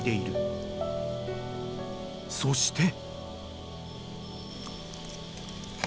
［そして］